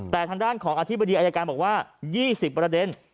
แต่ทางด้านของอธิบดีอายการบอกว่า๒๐ประเด็น